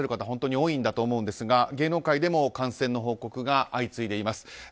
本当に多いと思うんですが芸能界でも感染の報告が相次いでいます。